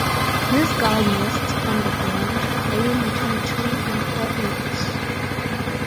This gull nests on the ground, laying between two and four eggs.